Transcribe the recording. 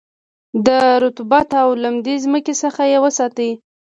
د رطوبت او لمدې مځکې څخه یې وساتی.